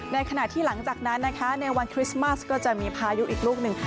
ในขณะที่หลังจากนั้นนะคะในวันคริสต์มัสก็จะมีพายุอีกลูกหนึ่ง